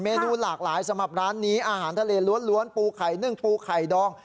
นูหลากหลายสำหรับร้านนี้อาหารทะเลล้วนปูไข่นึ่งปูไข่ดอง